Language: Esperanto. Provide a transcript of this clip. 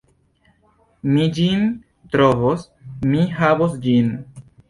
Mi ĝin trovos, mi havos ĝin.